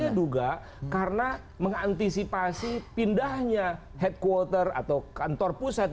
saya duga karena mengantisipasi pindahnya headquarter atau kantor pusat